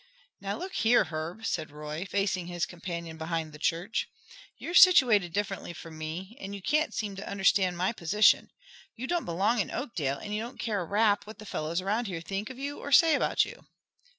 "Now, look here, Herb," said Roy, facing his companion behind the church, "you're situated differently from me, and you can't seem to understand my position. You don't belong in Oakdale, and you don't care a rap what the fellows around here think of you or say about you."